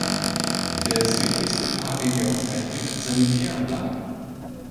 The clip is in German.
Der südlichste Pavillon erhielt Sanitäranlagen.